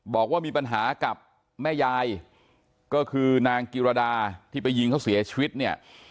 บอกว่ามีปัญหากับแม่ยายก็คือนางกิรดาที่ไปยิงเขาเสียชีวิตเนี่ย